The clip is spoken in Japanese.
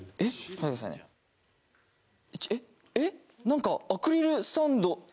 これ何のアクリルスタンド？